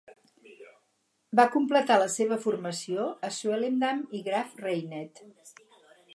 Va completar la seva formació a Swellendam i Graaff-Reinet.